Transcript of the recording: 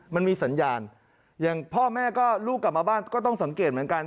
มันมีสัญญาณอย่างพ่อแม่ก็ลูกกลับมาบ้านก็ต้องสังเกตเหมือนกัน